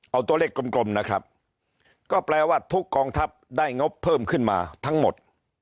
เอาตัวเลขกลมนะครับก็แปลว่าทุกกองทัพได้งบเพิ่มขึ้นมาทั้งหมด